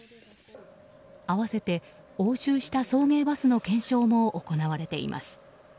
併せて押収した送迎バスの検証も行われています。